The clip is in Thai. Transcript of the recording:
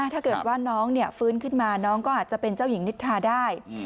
ถ้าเกิดว่าน้องฟื้นขึ้นมาน้องก็อาจจะเป็นเจ้าหญิงนิทาได้